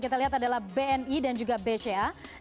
kita lihat adalah bni dan juga bca